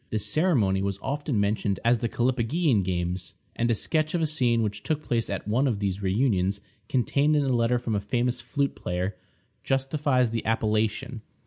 The ceremony was often mentioned as the Callipygian games; and a sketch of a scene which took place at one of these reunions, contained in a letter from a famous flute player, justifies the appellation.